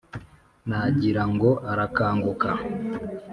Nagira ngo arakanguka,